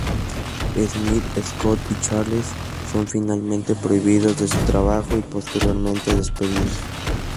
Smith, Scott y Charles son finalmente prohibidos de su trabajo y posteriormente despedidos.